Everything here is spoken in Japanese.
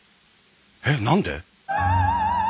えっ何で？